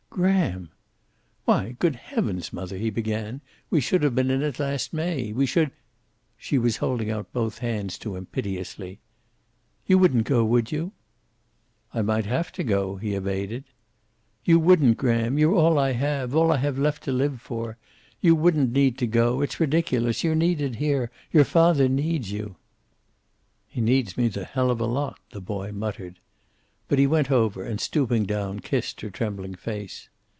"Graham!" "Why, good heavens, mother," he began, "we should have been in it last May. We should " She was holding out both hands to him, piteously. "You wouldn't go, would you?" "I might have to go," he evaded. "You wouldn't, Graham. You're all I have. All I have left to live for. You wouldn't need to go. It's ridiculous. You're needed here. Your father needs you." "He needs me the hell of a lot," the boy muttered. But he went over and, stooping down, kissed her trembling face.